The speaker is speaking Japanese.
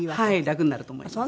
楽になると思います。